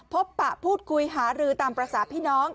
ปะพูดคุยหารือตามภาษาพี่น้อง